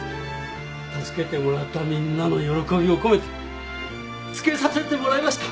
助けてもらったみんなの喜びを込めて付けさせてもらいました。